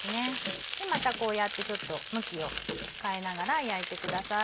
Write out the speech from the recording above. またこうやって向きを変えながら焼いてください。